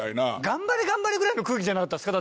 頑張れ頑張れぐらいの空気じゃなかったですか？